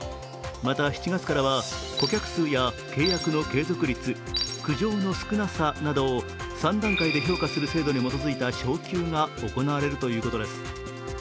また、７月からは顧客数や契約の継続率、苦情の少なさなどを３段階で評価する制度に基づいた昇級が行われるということです。